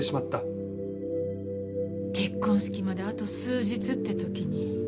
結婚式まであと数日って時に。